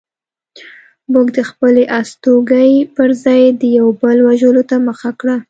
موږ د خپلې اسودګۍ پرځای د یو بل وژلو ته مخه کړه